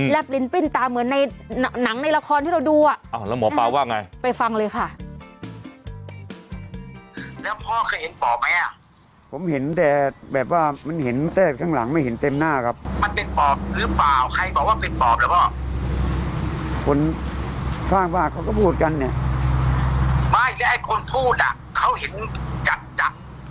ลิ้นปริ้นตาเหมือนในหนังในละครที่เราดูอ่ะแล้วหมอปลาว่าไงไปฟังเลยค่ะ